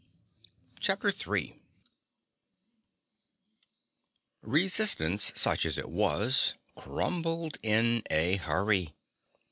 CHAPTER THREE Resistance, such as it was, crumbled in a hurry.